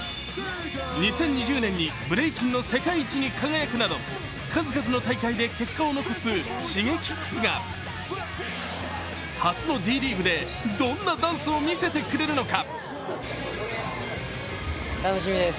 ２０２０年にブレイキンの世界一に輝くなど数々の大会で結果を残すＳｈｉｇｅｋｉｘが初のＤリーグでどんなダンスを見せてくれるのか。